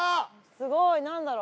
すごい何だろう？